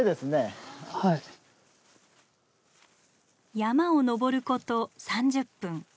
山を登ること３０分。